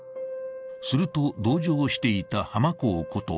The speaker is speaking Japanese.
すると、同乗していたハマコウこと